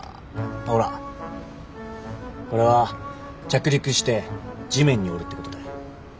これは着陸して地面におるってことたい。